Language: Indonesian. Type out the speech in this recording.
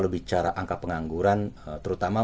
bicara angka pengangguran terutama